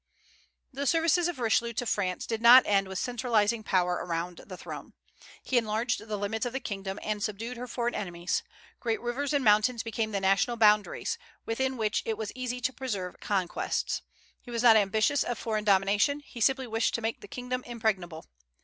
The services of Richelieu to France did not end with centralizing power around the throne. He enlarged the limits of the kingdom and subdued her foreign enemies. Great rivers and mountains became the national boundaries, within which it was easy to preserve conquests. He was not ambitious of foreign domination; he simply wished to make the kingdom impregnable.